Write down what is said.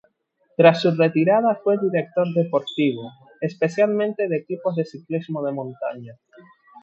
Tras su retirada fue director deportivo, especialmente de equipos de ciclismo de montaña.